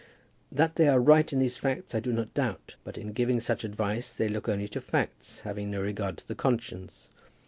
That they are right in these facts I do not doubt; but in giving such advice they look only to facts, having no regard to the conscience.